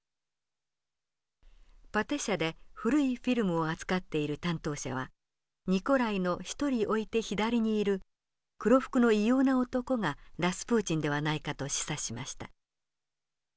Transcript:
パテ社で古いフィルムを扱っている担当者はニコライの１人置いて左にいる黒服の異様な男がラスプーチンではないかと示唆しました。